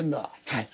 はい。